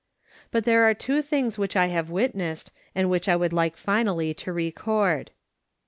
But there are two things which I have witnessed and which I would like finally to record.